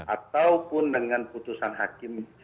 ataupun dengan putusan hakim